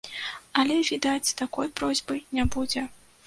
Але, відаць, такой просьбы не будзе.